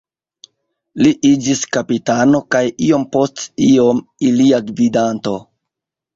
Li iĝis kapitano kaj iom post iom ilia gvidanto.